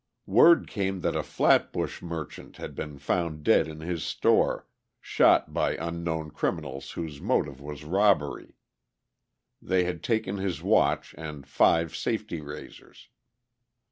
Word came that a Flatbush merchant had been found dead in his store, shot by unknown criminals whose motive was robbery. They had taken his watch and five safety razors.